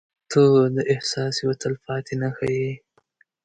• ته د احساس یوه تلپاتې نښه یې.